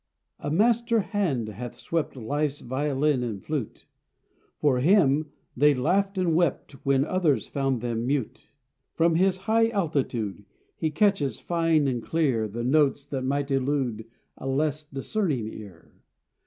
A MASTER HAND hath swept Life's violin and flute. For him they laughed and wept When others found them mute. From his high altitude He catches, fine and clear, The notes that might elude A less discerning ear.